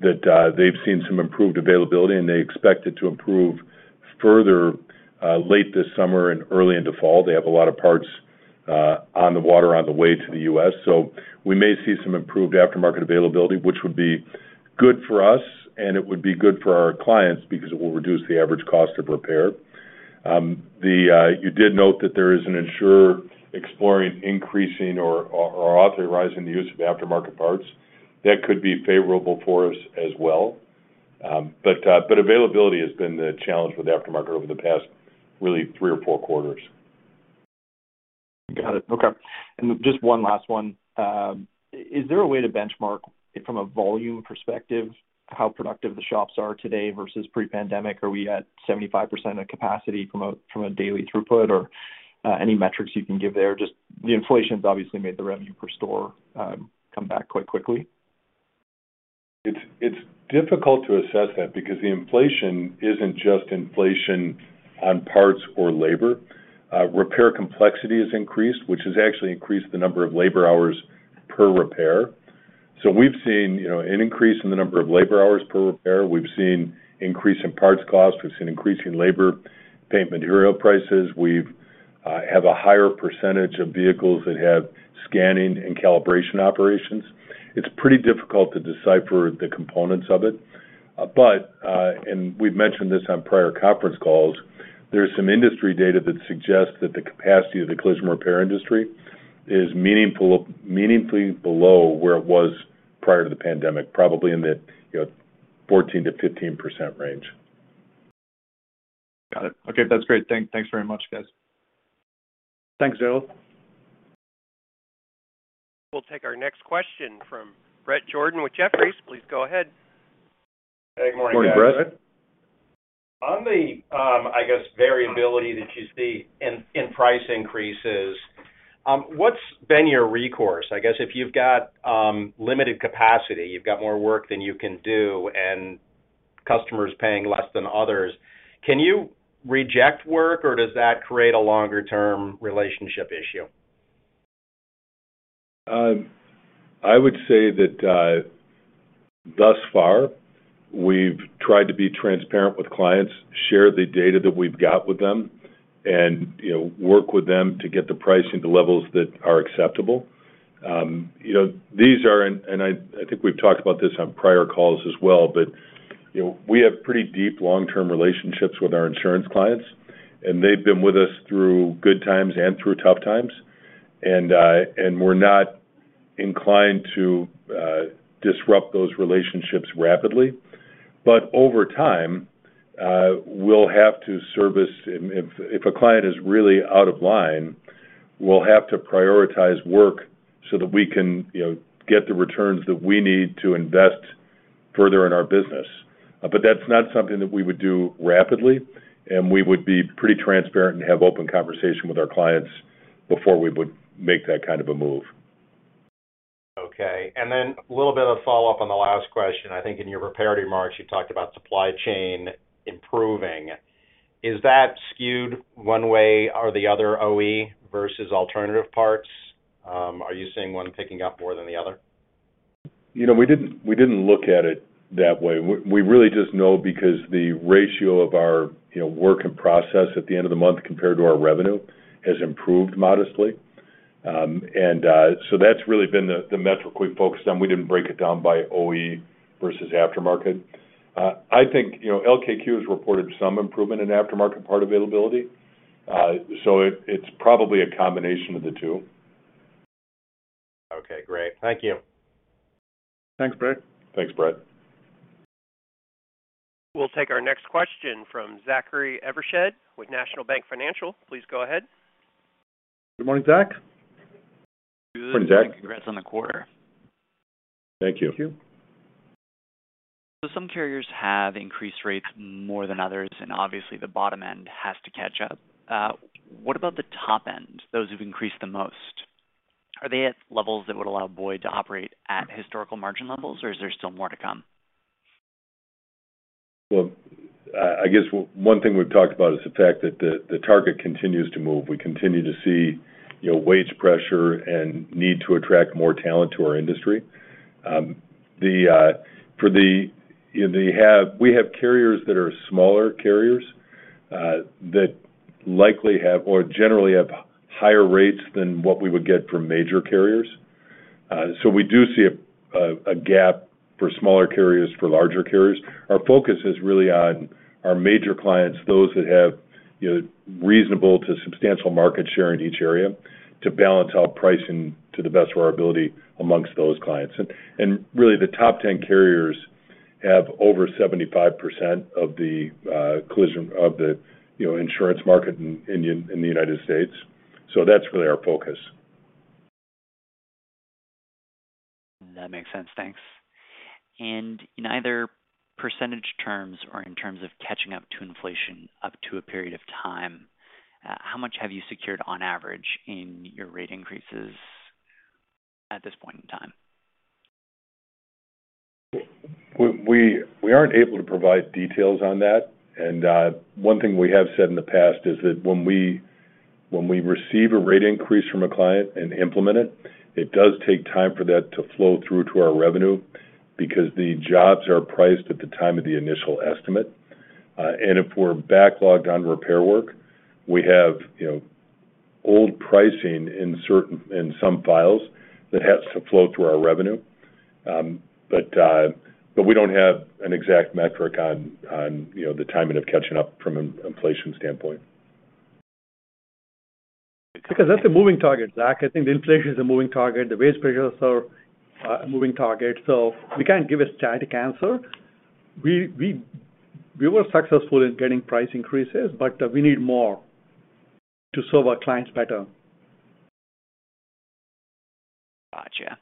that they've seen some improved availability, and they expect it to improve further late this summer and early into fall. They have a lot of parts on the water on the way to the US. We may see some improved aftermarket availability, which would be good for us, and it would be good for our clients because it will reduce the average cost of repair. You did note that there is an insurer exploring increasing or authorizing the use of aftermarket parts. That could be favorable for us as well. Availability has been the challenge with aftermarket over the past really three or four quarters. Got it. Okay. Just one last one. Is there a way to benchmark from a volume perspective how productive the shops are today versus pre-pandemic? Are we at 75% of capacity from a daily throughput? Or, any metrics you can give there? Just the inflation's obviously made the revenue per store come back quite quickly. It's difficult to assess that because the inflation isn't just inflation on parts or labor. Repair complexity has increased, which has actually increased the number of labor hours per repair. We've seen, you know, an increase in the number of labor hours per repair. We've seen increase in parts costs. We've seen increase in labor, paint material prices. We have a higher percentage of vehicles that have scanning and calibration operations. It's pretty difficult to decipher the components of it. We've mentioned this on prior conference calls. There's some industry data that suggests that the capacity of the collision repair industry is meaningfully below where it was prior to the pandemic, probably in the 14%-15% range. Got it. Okay, that's great. Thanks very much, guys. Thanks, Daryl Young. We'll take our next question from Bret Jordan with Jefferies. Please go ahead. Hey, good morning, guys. Morning, Bret. On the, I guess, variability that you see in price increases, what's been your recourse? I guess if you've got limited capacity, you've got more work than you can do and customers paying less than others, can you reject work, or does that create a longer-term relationship issue? I would say that thus far, we've tried to be transparent with clients, share the data that we've got with them, and you know, work with them to get the pricing to levels that are acceptable. You know, these are and I think we've talked about this on prior calls as well, but you know, we have pretty deep long-term relationships with our insurance clients, and they've been with us through good times and through tough times. We're not inclined to disrupt those relationships rapidly. Over time, we'll have to service if a client is really out of line, we'll have to prioritize work so that we can you know, get the returns that we need to invest further in our business. That's not something that we would do rapidly, and we would be pretty transparent and have open conversation with our clients before we would make that kind of a move. Okay. Then a little bit of follow-up on the last question. I think in your prepared remarks, you talked about supply chain improving. Is that skewed one way or the other, OE versus alternative parts? Are you seeing one picking up more than the other? You know, we didn't look at it that way. We really just know because the ratio of our, you know, work in process at the end of the month compared to our revenue has improved modestly. That's really been the metric we focused on. We didn't break it down by OE versus aftermarket. I think, you know, LKQ has reported some improvement in aftermarket part availability, so it's probably a combination of the two. Okay, great. Thank you. Thanks, Bret. Thanks, Bret. We'll take our next question from Zachary Evershed with National Bank Financial. Please go ahead. Good morning, Zach. Morning, Zach. Congrats on the quarter. Thank you. Thank you. Some carriers have increased rates more than others, and obviously, the bottom end has to catch up. What about the top end, those who've increased the most? Are they at levels that would allow Boyd to operate at historical margin levels, or is there still more to come? Well, I guess one thing we've talked about is the fact that the target continues to move. We continue to see, you know, wage pressure and need to attract more talent to our industry. We have carriers that are smaller carriers that likely have or generally have higher rates than what we would get from major carriers. We do see a gap for smaller carriers, for larger carriers. Our focus is really on our major clients, those that have, you know, reasonable to substantial market share in each area to balance out pricing to the best of our ability among those clients. Really the top 10 carriers have over 75% of the collision of the insurance market in the United States. That's really our focus. That makes sense. Thanks. In either percentage terms or in terms of catching up to inflation up to a period of time, how much have you secured on average in your rate increases at this point in time? We aren't able to provide details on that. One thing we have said in the past is that when we receive a rate increase from a client and implement it does take time for that to flow through to our revenue because the jobs are priced at the time of the initial estimate. If we're backlogged on repair work, we have old pricing in some files that has to flow through our revenue. We don't have an exact metric on the timing of catching up from an inflation standpoint. Because that's a moving target, Zachary. I think the inflation is a moving target. The wage pressures are a moving target, so we can't give a static answer. We were successful in getting price increases, but we need more to serve our clients better. Gotcha.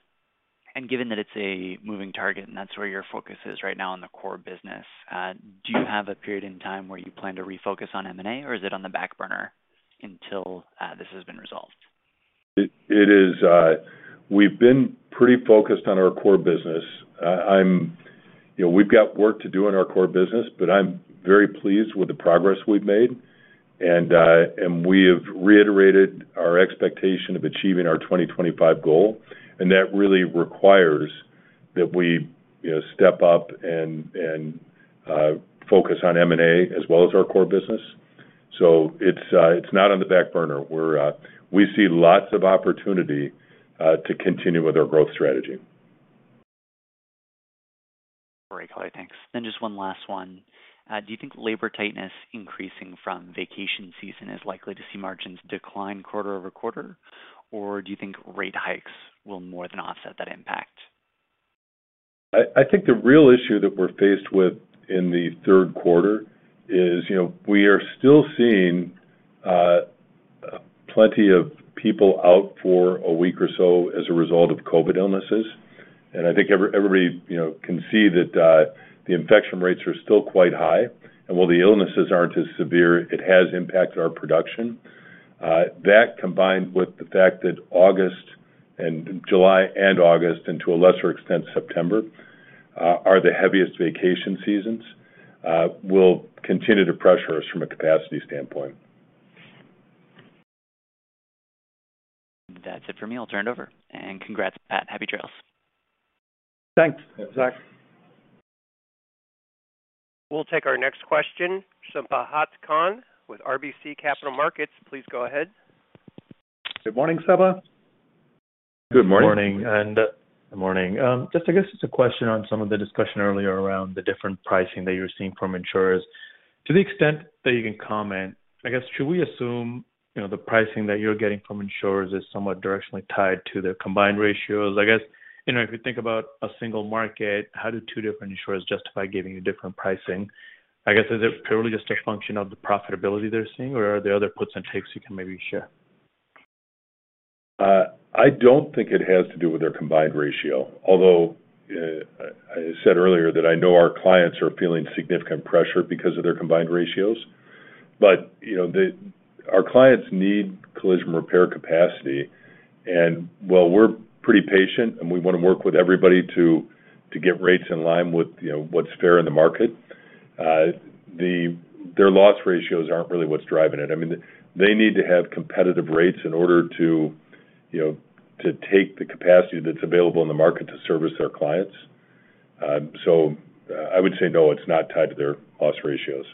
Given that it's a moving target, and that's where your focus is right now in the core business, do you have a period in time where you plan to refocus on M&A, or is it on the back burner until this has been resolved? We've been pretty focused on our core business. You know, we've got work to do in our core business, but I'm very pleased with the progress we've made. We have reiterated our expectation of achieving our 2025 goal. That really requires that we, you know, step up and focus on M&A as well as our core business. It's not on the back burner. We see lots of opportunity to continue with our growth strategy. Great. Okay, thanks. Just one last one. Do you think labor tightness increasing from vacation season is likely to see margins decline quarter-over-quarter? Or do you think rate hikes will more than offset that impact? I think the real issue that we're faced with in the third quarter is, you know, we are still seeing plenty of people out for a week or so as a result of COVID illnesses. I think everybody, you know, can see that the infection rates are still quite high. While the illnesses aren't as severe, it has impacted our production. That combined with the fact that July and August, and to a lesser extent, September, are the heaviest vacation seasons, will continue to pressure us from a capacity standpoint. That's it for me. I'll turn it over. Congrats, Pat. Happy trails. Thanks, Zach. We'll take our next question. Sabahat Khan with RBC Capital Markets, please go ahead. Good morning, Saba. Good morning. Good morning. Just I guess it's a question on some of the discussion earlier around the different pricing that you're seeing from insurers. To the extent that you can comment, I guess, should we assume, you know, the pricing that you're getting from insurers is somewhat directionally tied to their combined ratios? I guess, you know, if you think about a single market, how do two different insurers justify giving you different pricing? I guess, is it purely just a function of the profitability they're seeing, or are there other puts and takes you can maybe share? I don't think it has to do with their combined ratio, although I said earlier that I know our clients are feeling significant pressure because of their combined ratios. You know, our clients need collision repair capacity. While we're pretty patient, and we wanna work with everybody to get rates in line with, you know, what's fair in the market, their loss ratios aren't really what's driving it. I mean, they need to have competitive rates in order to, you know, to take the capacity that's available in the market to service their clients. I would say, no, it's not tied to their loss ratios.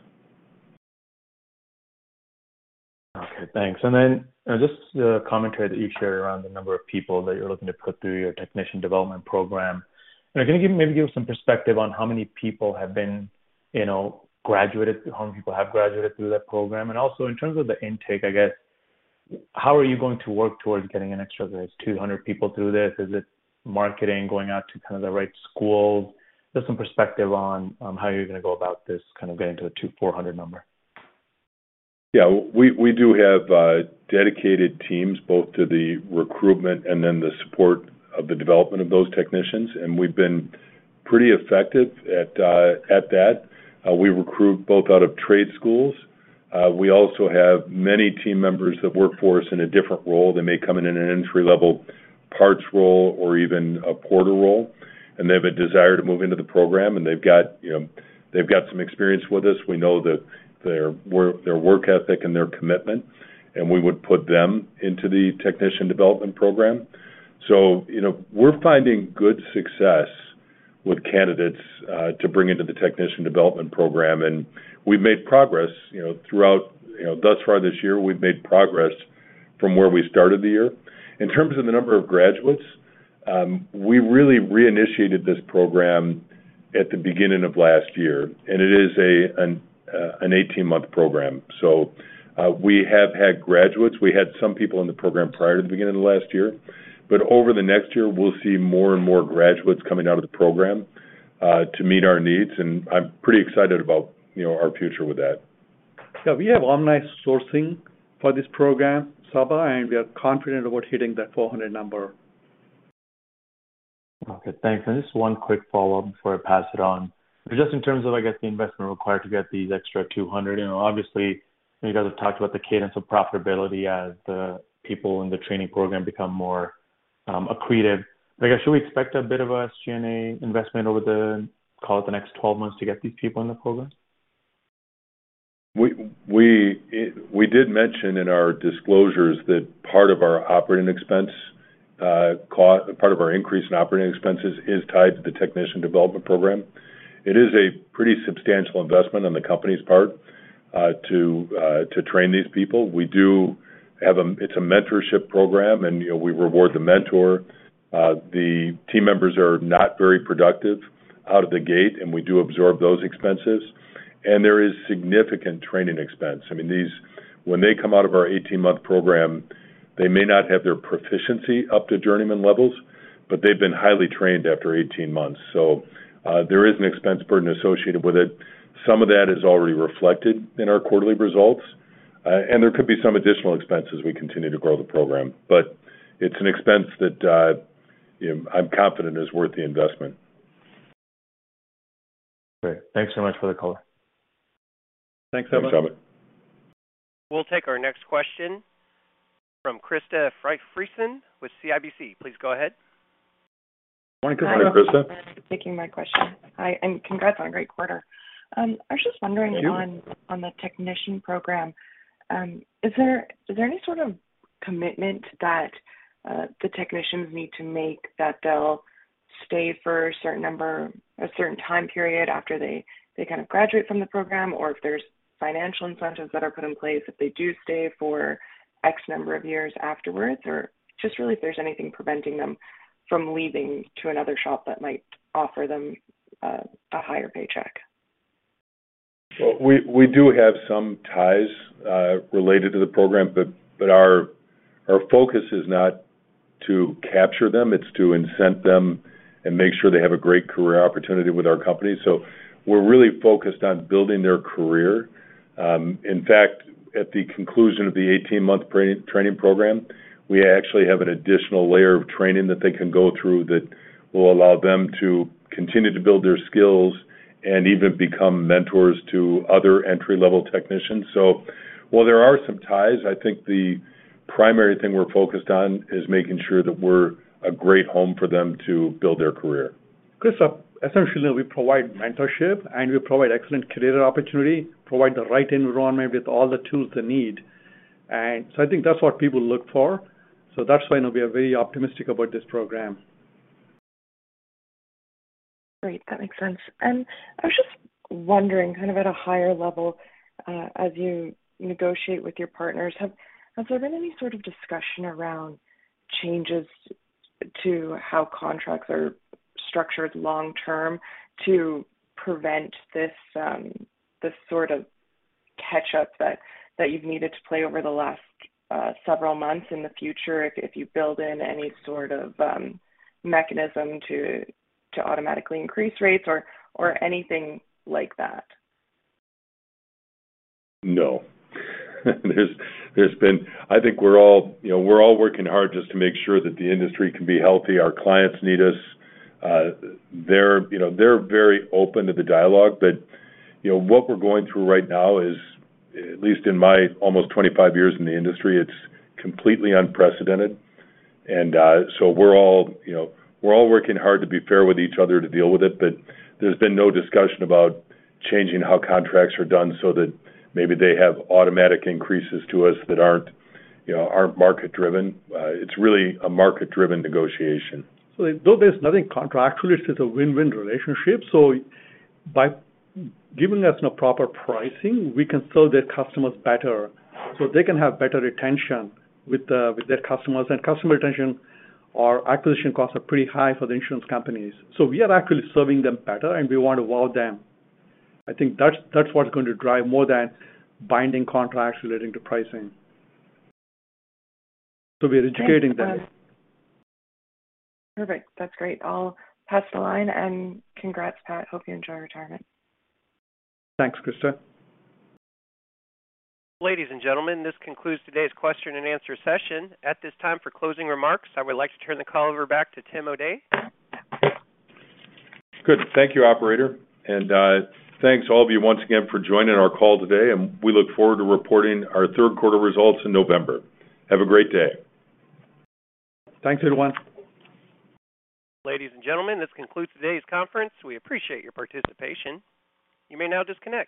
Okay, thanks. Just the commentary that you shared around the number of people that you're looking to put through your Technician Development Program. Can you give some perspective on how many people have been, you know, graduated, how many people have graduated through that program? Also in terms of the intake, I guess, how are you going to work towards getting an extra 200 people through this? Is it marketing going out to kind of the right schools? Just some perspective on how you're gonna go about this kind of getting to a 2,400 number. Yeah. We do have dedicated teams both to the recruitment and then the support of the development of those technicians, and we've been pretty effective at that. We recruit both out of trade schools. We also have many team members that work for us in a different role. They may come in in an entry-level parts role or even a porter role, and they have a desire to move into the program, and they've got some experience with us. We know that their work ethic and their commitment, and we would put them into the Technician Development Program. You know, we're finding good success with candidates to bring into the Technician Development Program, and we've made progress throughout thus far this year from where we started the year. In terms of the number of graduates, we really reinitiated this program at the beginning of last year, and it is an 18-month program. We have had graduates. We had some people in the program prior to the beginning of last year. Over the next year, we'll see more and more graduates coming out of the program to meet our needs, and I'm pretty excited about, you know, our future with that. Yeah. We have online sourcing for this program, Saba, and we are confident about hitting that 400 number. Okay, thanks. Just one quick follow-up before I pass it on. Just in terms of, I guess, the investment required to get these extra 200 in. Obviously, you guys have talked about the cadence of profitability as the people in the training program become more accretive. Like, should we expect a bit of a SG&A investment over the, call it, the next 12 months to get these people in the program? We did mention in our disclosures that part of our increase in operating expenses is tied to the Technician Development Program. It is a pretty substantial investment on the company's part to train these people. We do have. It's a mentorship program and, you know, we reward the mentor. The team members are not very productive out of the gate, and we do absorb those expenses. There is significant training expense. I mean, when they come out of our 18-month program, they may not have their proficiency up to journeyman levels, but they've been highly trained after 18 months. There is an expense burden associated with it. Some of that is already reflected in our quarterly results, and there could be some additional expense as we continue to grow the program. It's an expense that, you know, I'm confident is worth the investment. Great. Thanks so much for the call. Thanks so much. We'll take our next question from Krista Friesen with CIBC. Please go ahead. Morning, Krista. Hi, everyone, thanks for taking my question. Hi, and congrats on a great quarter. I was just wondering. Thank you. On the technician program. Is there any sort of commitment that the technicians need to make that they'll stay for a certain number, a certain time period after they kind of graduate from the program? Or if there's financial incentives that are put in place if they do stay for X number of years afterwards? Or just really if there's anything preventing them from leaving to another shop that might offer them a higher paycheck. Well, we do have some ties related to the program, but our focus is not to capture them, it's to incent them and make sure they have a great career opportunity with our company. We're really focused on building their career. In fact, at the conclusion of the 18-month training program, we actually have an additional layer of training that they can go through that will allow them to continue to build their skills and even become mentors to other entry-level technicians. While there are some ties, I think the primary thing we're focused on is making sure that we're a great home for them to build their career. Krista, essentially, we provide mentorship, and we provide excellent career opportunity, provide the right environment with all the tools they need. I think that's what people look for. That's why now we are very optimistic about this program. Great. That makes sense. I was just wondering, kind of at a higher level, as you negotiate with your partners, has there been any sort of discussion around changes to how contracts are structured long term to prevent this sort of catch-up that you've needed to play over the last several months in the future, if you build in any sort of mechanism to automatically increase rates or anything like that? No. There's been I think we're all, you know, working hard just to make sure that the industry can be healthy. Our clients need us. They're, you know, very open to the dialogue, but, you know, what we're going through right now is, at least in my almost 25 years in the industry, it's completely unprecedented. We're all, you know, working hard to be fair with each other to deal with it. There's been no discussion about changing how contracts are done so that maybe they have automatic increases to us that aren't, you know, aren't market driven. It's really a market-driven negotiation. Though there's nothing contractual, it's just a win-win relationship. By giving us the proper pricing, we can sell their customers better, so they can have better retention with with their customers. Customer retention or acquisition costs are pretty high for the insurance companies. We are actually serving them better, and we want to wow them. I think that's what's going to drive more than binding contracts relating to pricing. We are educating them. Perfect. That's great. I'll pass the line and congrats, Pat. Hope you enjoy retirement. Thanks, Krista. Ladies and gentlemen, this concludes today's question and answer session. At this time, for closing remarks, I would like to turn the call over back to Tim O'Day. Good. Thank you, operator. Thanks all of you once again for joining our call today, and we look forward to reporting our third quarter results in November. Have a great day. Thanks, everyone. Ladies and gentlemen, this concludes today's conference. We appreciate your participation. You may now disconnect.